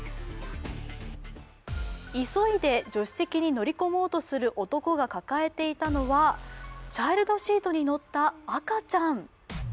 急いで助手席に乗り込もうとする男が抱えていたのはチャイルドシートに乗った赤ちゃん。